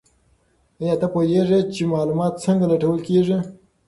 ایا ته پوهېږې چې معلومات څنګه لټول کیږي؟